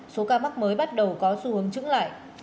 số ca mắc mới bắt đầu có xu hướng trứng lại